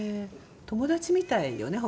友達みたいよね？